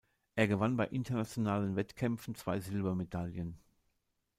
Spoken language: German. Er gewann bei internationalen Wettkämpfen zwei Silbermedaillen.